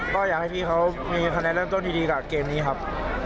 ก็อยากให้พี่เขามีคะแนนเริ่มต้นที่ดีกับเกมนี้ครับ